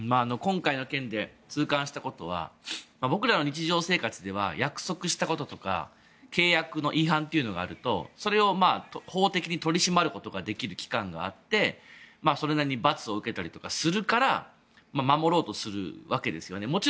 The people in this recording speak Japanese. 今回の件で痛感したことは僕らの日常生活では約束したこととか契約の違反というのがあるとそれを法的に取り締まることができる機関があって、それなりに罰を受けたりとかするから守ろうとするわけですよね。